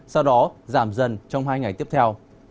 sau đó giảm dần trong hai ngày tiếp theo